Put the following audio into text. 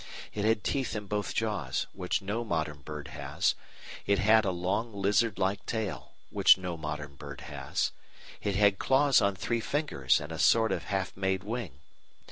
It had teeth in both jaws, which no modern bird has; it had a long lizard like tail, which no modern bird has; it had claws on three fingers, and a sort of half made wing.